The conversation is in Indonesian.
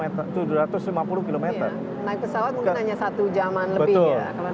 naik pesawat mungkin hanya satu jaman lebih ya